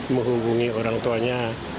menghubungi orang tuanya